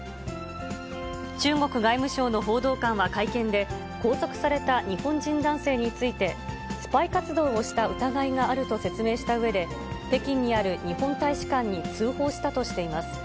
中国外務省の報道官は会見で、拘束された日本人男性について、スパイ活動をした疑いがあると説明したうえで、北京にある日本大使館に通報したとしています。